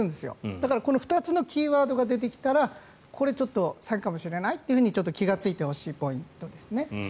だから、この２つのキーワードが出てきたらこれ、ちょっと詐欺かもしれないと気がついてほしいポイントですね。